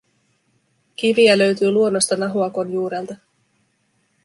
Kiviä löytyy luonnosta Nahuakon juurelta.